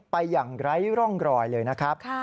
ไปอย่างไร้ร่องรอยเลยนะครับ